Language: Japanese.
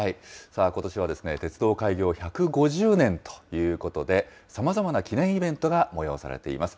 さあ、ことしは鉄道開業１５０年ということで、さまざまな記念イベントが催されています。